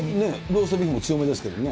ローストビーフも強めですけどね。